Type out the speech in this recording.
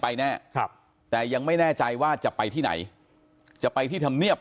แน่ครับแต่ยังไม่แน่ใจว่าจะไปที่ไหนจะไปที่ธรรมเนียบ